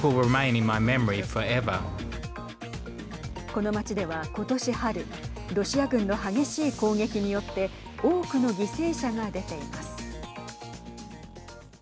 この町では今年春ロシア軍の激しい攻撃によって多くの犠牲者が出ています。